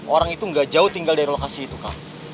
orang itu gak jauh tinggal dari lokasi itu kak